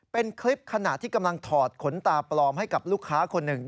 เป็นคลิปขณะที่กำลังถอดขนตาปลอมให้กับลูกค้าคนหนึ่ง